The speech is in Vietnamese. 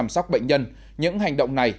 sát bệnh nhân những hành động này